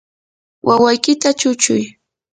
wawaykita chuchuy.